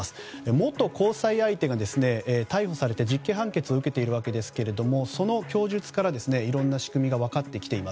元交際相手が逮捕されて実刑判決を受けていますがその供述から、いろんな仕組みが分かってきています。